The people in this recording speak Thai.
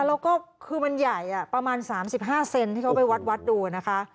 แล้วก็คือมันใหญ่ประมาณ๓๕เซนที่เขาไปวัดดูนะคะ